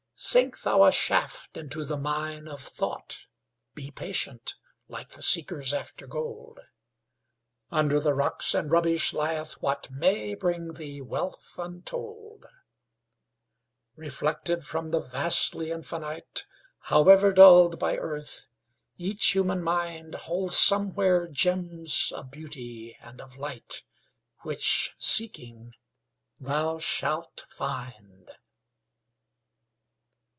Sink thou a shaft into the mine of thought; Be patient, like the seekers after gold; Under the rocks and rubbish lieth what May bring thee wealth untold. Reflected from the vastly Infinite, However dulled by earth, each human mind Holds somewhere gems of beauty and of light Which, seeking, thou shalt find.